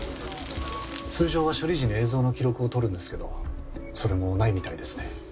通常は処理時に映像の記録をとるんですけどそれもないみたいですね。